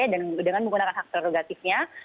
dengan menggunakan hak teragatifnya